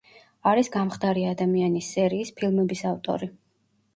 არის „გამხდარი ადამიანის“ სერიის ფილმების ავტორი.